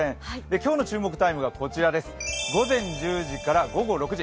今日の注目タイムがこちらです、午前１０時から午後６時。